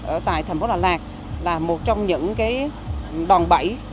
ở tại thành phố đà lạt là một trong những cái đòn bẫy